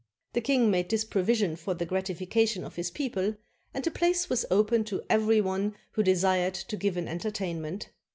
The king made this provision for the gratifica tion of his people, and the place was open to every one who desired to give an entertainment.